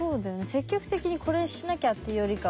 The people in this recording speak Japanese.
積極的にこれしなきゃっていうよりかは。